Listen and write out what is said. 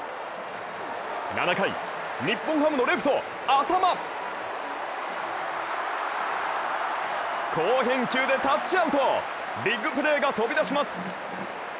７回日本ハムのレフト淺間好返球でタッチアウトビッグプレーが飛び出します。